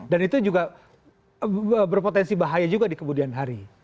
dan itu juga berpotensi bahaya juga di kemudian hari